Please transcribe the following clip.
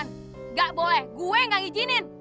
nggak boleh gue yang nggak ngijinin